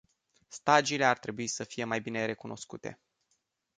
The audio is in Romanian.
Stagiile ar trebui să fie mai bine recunoscute.